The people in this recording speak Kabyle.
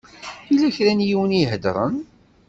Yella kra n yiwen i iheddṛen.